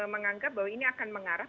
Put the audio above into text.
menganggap bahwa ini akan mengarah